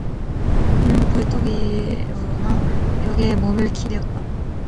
그는 벌떡 일 어나 벽에 몸을 기대었다.